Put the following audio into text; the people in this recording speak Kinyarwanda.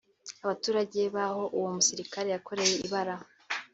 Abaturage b’aho uwo musirikare yakoreye ibara